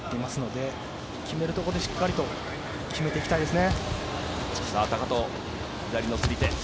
決めるところでしっかりと決めていきたいですね。